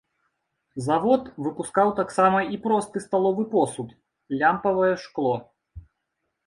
Завод выпускаў таксама і просты сталовы посуд, лямпавае шкло.